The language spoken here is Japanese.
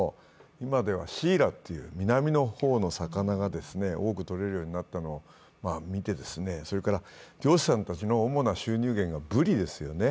今ではシイラという南の方の魚が多く取れるのを見て、それから、漁師さんたちの主な収入源がブリですよね。